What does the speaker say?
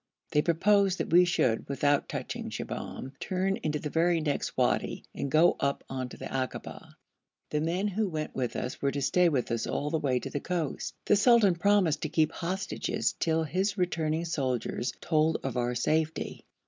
They proposed that we should, without touching Shibahm, turn into the very next wadi and go up on to the akaba; the men who went with us were to stay with us all the way to the coast. The sultan promised to keep hostages till his returning soldiers told of our safety.